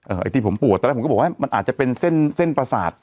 ไอ้ที่ผมปวดตอนแรกผมก็บอกว่ามันอาจจะเป็นเส้นเส้นประสาท